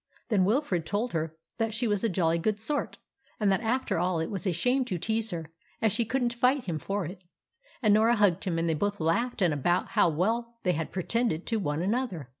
Then Wilfrid told her that she was a jolly good sort; and that after all it was a shame to tease her, as she couldn't fight him for it. And Norah hugged him, and they both laughed about how well they had "pretended" to one another.